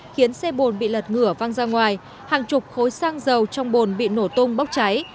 khiến xe bồn bị lật ngửa văng ra ngoài hàng chục khối sang dầu trong bồn bị nổ tung bốc cháy